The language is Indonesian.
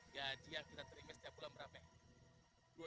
gaji yang kita terima setiap bulan berapa